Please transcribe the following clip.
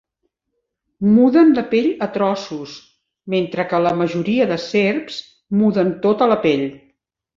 Muden la pell a trossos, mentre que la majoria de serps muden tota la pell.